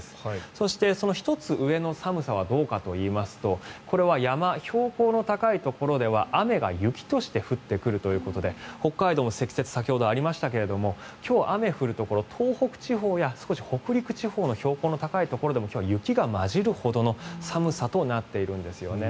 そしてその１つ上の寒さはどうかといいますとこれは山、標高の高いところでは雨が雪として降ってくるということで北海道も積雪が先ほどありましたが今日、雨降るところ東北地方や少し北陸地方の標高の高いところでも今日は雪が交じるほどの寒さとなっているんですよね。